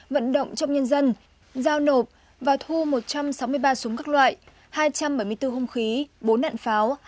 vận động trong nhân dân giao nộp và thu một trăm sáu mươi ba súng các loại hai trăm bảy mươi bốn hung khí bốn đạn pháo